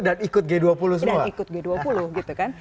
dan ikut g dua puluh semua dan ikut g dua puluh gitu kan